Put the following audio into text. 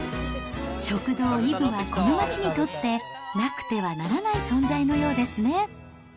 食堂いぶは、この町にとってなくてはならない存在のようですね。